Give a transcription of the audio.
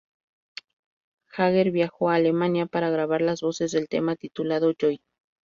Jagger viajó a Alemania para grabar las voces del tema, titulado "Joy".